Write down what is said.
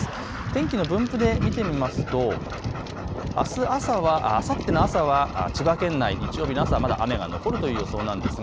天気の分布で見てみるとあさっての朝は千葉県内、日曜日の朝まだ雨が残るという予想です。